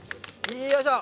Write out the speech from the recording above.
よいしょ！